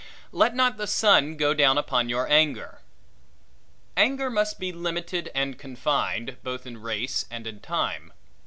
Let not the sun go down upon your anger. Anger must be limited and confined, both in race and in time.